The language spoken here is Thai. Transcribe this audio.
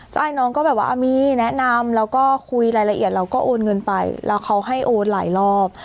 ใช่น้องก็แบบว่ามีแนะนำแล้วก็คุยรายละเอียดเราก็โอนเงินไปแล้วเขาให้โอนหลายรอบ